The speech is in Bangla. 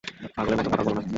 পাগলের মত কথা বোলো না।